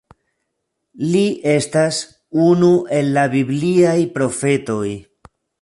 Li estas unu el la bibliaj profetoj.